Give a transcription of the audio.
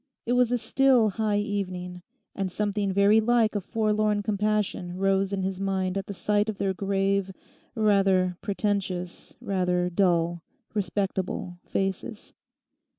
It was a still, high evening, and something very like a forlorn compassion rose in his mind at sight of their grave, rather pretentious, rather dull, respectable faces.